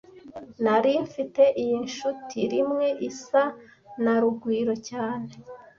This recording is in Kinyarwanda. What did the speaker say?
Nari mfite iyi nshuti rimwe isa na Rugwiro cyane